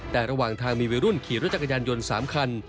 แต่ระหว่างทางมีวัยรุ่นขี่รถจักรยานยนต์๓คัน